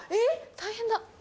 大変だ。